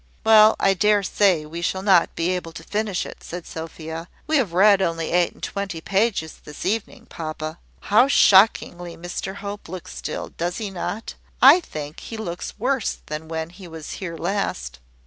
"Well, I dare say we shall not be able to finish it," said Sophia. "We have read only eight and twenty pages this evening. Papa! how shockingly Mr Hope looks still, does not he? I think he looks worse than when he was here last."